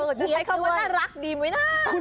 จะใช้คำว่าน่ารักดีไหมนะ